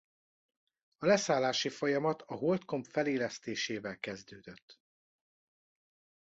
A leszállási folyamat a holdkomp felélesztésével kezdődött.